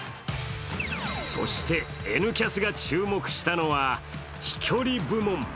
そして「Ｎキャス」が注目したのは飛距離部門。